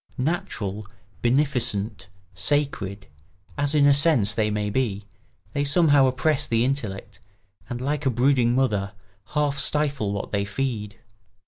Natural, beneficent, sacred, as in a sense they may be, they somehow oppress the intellect and, like a brooding mother, half stifle what they feed.